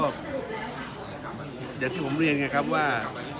เดี๋ยวที่ผมเรียนไงครับว่า